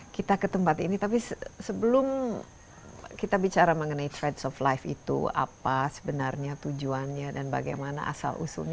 kita ke tempat ini tapi sebelum kita bicara mengenai trades of life itu apa sebenarnya tujuannya dan bagaimana asal usulnya